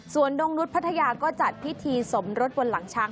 ส่วนดงนุษย์พัทยาก็จัดพิธีสมรสบนหลังช้าง